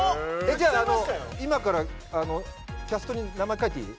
じゃあ今からキャストに名前書いていい？